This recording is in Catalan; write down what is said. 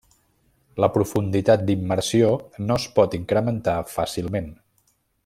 La profunditat d’immersió no es pot incrementar fàcilment.